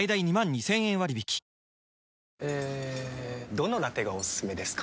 どのラテがおすすめですか？